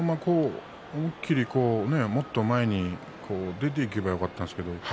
思い切り前に出ていけばよかったですけどね。